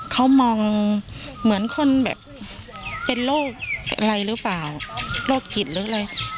เขามองเหมือนคนแบบเป็นโรคอะไรหรือเปล่าโรคจิตหรืออะไร